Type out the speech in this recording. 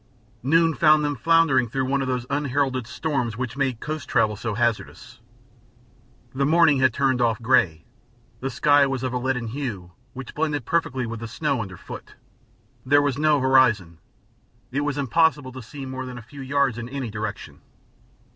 Noon found them floundering through one of those unheralded storms which make coast travel so hazardous. The morning had turned off gray, the sky was of a leaden hue which blended perfectly with the snow underfoot, there was no horizon, it was impossible to see more than a few yards in any direction.